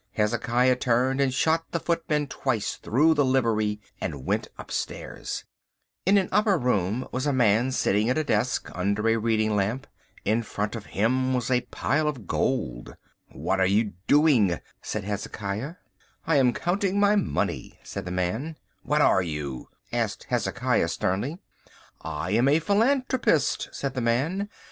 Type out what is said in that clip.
Hezekiah turned and shot the footman twice through the livery and went upstairs. Illustration: Hezekiah shot the footman twice through the livery In an upper room was a man sitting at a desk under a reading lamp. In front of him was a pile of gold. "What are you doing?" said Hezekiah. "I am counting my money," said the man. "What are you?" asked Hezekiah sternly. "I am a philanthropist," said the man.